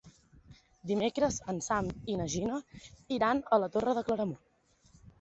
Dimecres en Sam i na Gina iran a la Torre de Claramunt.